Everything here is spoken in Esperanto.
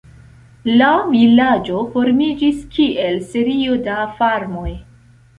La vilaĝo formiĝis, kiel serio da farmoj.